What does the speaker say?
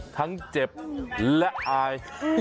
ทั้งเจ็บและอาย